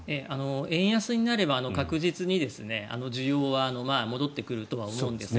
円安になれば確実に需要は戻ってくるとは思うんです。